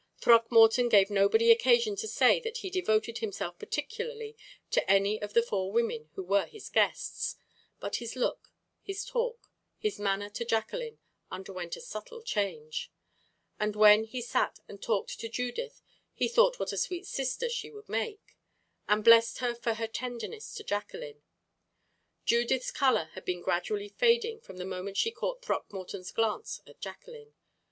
Throckmorton gave nobody occasion to say that he devoted himself particularly to any of the four women who were his guests; but his look, his talk, his manner to Jacqueline underwent a subtile change; and when he sat and talked to Judith he thought what a sweet sister she would make, and blessed her for her tenderness to Jacqueline. Judith's color had been gradually fading from the moment she caught Throckmorton's glance at Jacqueline.